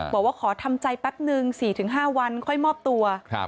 บอกว่าขอทำใจแป๊บนึง๔๕วันค่อยมอบตัว